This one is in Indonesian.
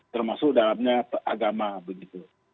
termasuk dalamnya agama begitu